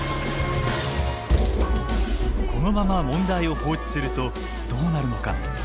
このまま問題を放置するとどうなるのか。